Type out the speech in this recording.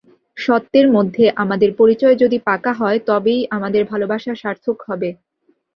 সত্যের মধ্যে আমাদের পরিচয় যদি পাকা হয় তবেই আমাদের ভালোবাসা সার্থক হবে।